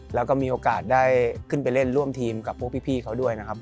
แล้วก็มีโอกาสได้ขึ้นไปเล่นร่วมทีมกับพวกพี่เขาด้วยนะครับ